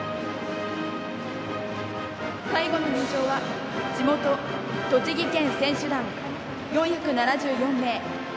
最後の入場は地元・栃木県選手団、４７４名。